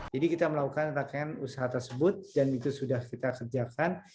jadi kita melakukan rangkaian usaha tersebut dan itu sudah kita kerjakan